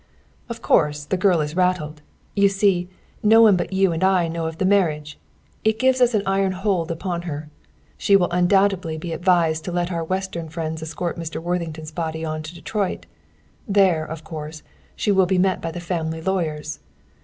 "Of course, the girl is rattled. You see, no one but you and I know of the marriage. It gives you an iron hold upon her. She will undoubtedly be advised to let our Western friends escort Mr. Worthington's body on to Detroit. There, of course, she will be met by the family lawyers.